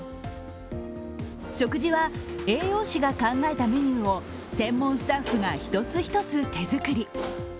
食事は、栄養士が考えたメニューを専門スタッフが一つ一つ手作り。